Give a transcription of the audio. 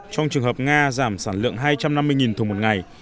trong trường hợp nga giảm sản lượng hai trăm năm mươi thùng một ngày